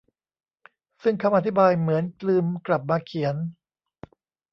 ซึ่งคำอธิบายเหมือนลืมกลับมาเขียน